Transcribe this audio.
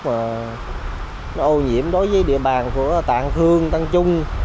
mà nó ô nhiễm đối với địa bàn của tạng hương tăng trung